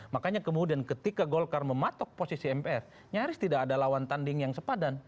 makanya kemudian ketika golkar mematok posisi mpr nyaris tidak ada lawan tanding yang sepadan